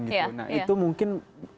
nah itu mungkin